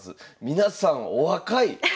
皆さんお若い！